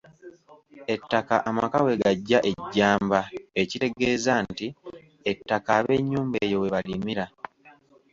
Ettaka amaka we gaggya ejjamba ekitegeeza nti ettaka ab'ennyumba eyo we balimira.